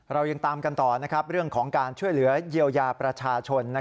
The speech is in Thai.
เรายังตามกันต่อเรื่องของการช่วยเหลือเยียวยาประชาชน